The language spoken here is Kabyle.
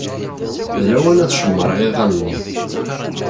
D lawan ad cemmṛeɣ iɣallen-iw.